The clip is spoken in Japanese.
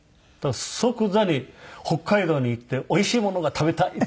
即座に「北海道に行っておいしいものが食べたい」って。